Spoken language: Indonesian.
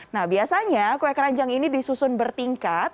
nah biasanya kue keranjang ini disusun bertingkat